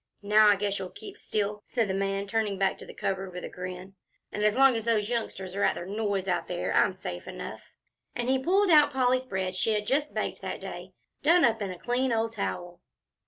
"Now I guess you'll keep still," said the man, turning back to the cupboard with a grin; "and as long as those youngsters are at their noise out there, I'm safe enough," and he pulled out Polly's bread she had just baked that day, done up in a clean old towel.